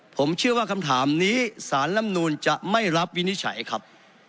ผมเชื่อว่าคำถามนี้สารลำนูนจะไม่รับวินิจฉัยครับ